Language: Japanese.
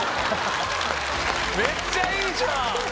めっちゃいいじゃん！